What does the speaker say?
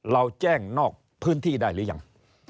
เราแจ้งนอกพื้นที่ได้หรือยัง